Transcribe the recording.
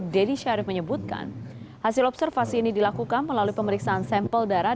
deddy syarif menyebutkan hasil observasi ini dilakukan melalui pemeriksaan sampel darah